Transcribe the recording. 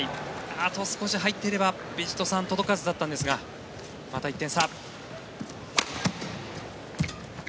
あと少し入っていればヴィチットサーン届かずだったんですがまた１点差。